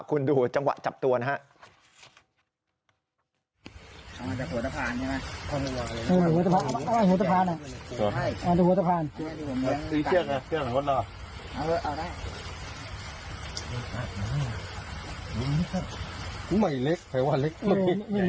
คุณดูจังหวะจับตัวนะฮะ